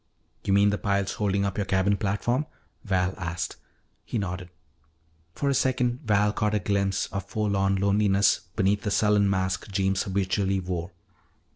"You mean the piles holding up your cabin platform?" Val asked. He nodded. For a second Val caught a glimpse of forlorn loneliness beneath the sullen mask Jeems habitually wore.